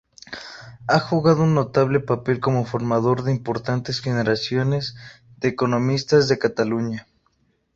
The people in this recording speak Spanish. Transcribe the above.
Ha jugado un notable papel como formador de importantes generaciones de economistas de Cataluña.